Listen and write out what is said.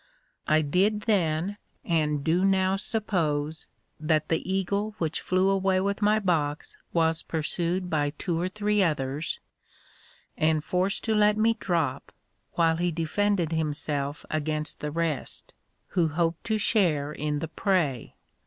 I did then, and do now suppose, that the eagle which flew away with my box was pursued by two or three others, and forced to let me drop, while he defended himself against the rest, who hoped to share in the prey.